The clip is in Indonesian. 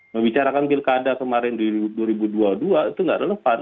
membicarakan pilkada kemarin di dua ribu dua puluh dua itu nggak relevan